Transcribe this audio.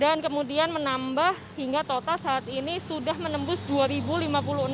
yang kedua kantornya saat ini operasionalnya sudah dihentikan sementara dan diisolasi mulai dua puluh bulan